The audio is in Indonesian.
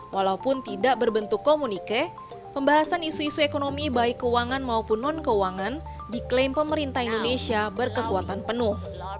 walaupun tidak berbentuk komunike pembahasan isu isu ekonomi baik keuangan maupun non keuangan diklaim pemerintah indonesia berkekuatan penuh